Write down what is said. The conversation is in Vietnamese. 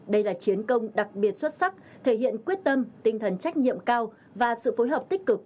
đây là chiến công đặc biệt xuất sắc thể hiện quyết tâm tinh thần trách nhiệm cao và sự phối hợp tích cực